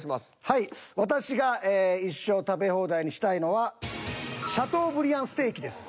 はい私が一生食べ放題にしたいのはシャトーブリアンステーキです。